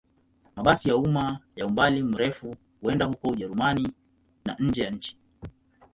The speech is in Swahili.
Mabasi ya umma ya umbali mrefu huenda huko Ujerumani na nje ya nchi.